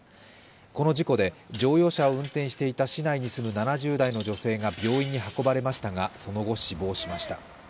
この事故で乗用車を運転していた市内に住む７０代の女性が病院に運ばれましたが、その後、死亡しました。